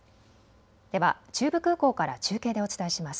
では中部空港から中継でお伝えします。